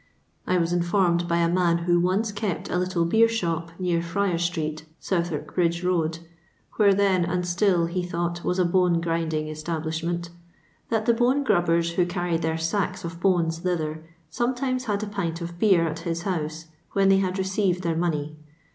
I was informed by a man who once kept a little beer shop near Friar street, Southwark Bridge road (where then and still, he thought, was a bone grinding establishment), that the bone grubbers who carried their sacks of bones thither sometimes had a pint of beer at his house when they had received their money.